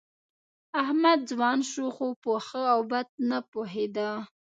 احمد ځوان شو، خو په ښه او بد نه پوهېده.